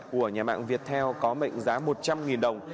của nhà mạng viettel có mệnh giá một trăm linh đồng